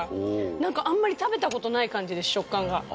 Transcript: なんかあんまり食べた事ない感じです食感が。